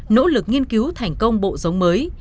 nỗ lực nghiên cứu thành công bộ giống mới